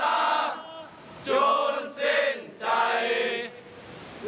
อีฟท่องครับ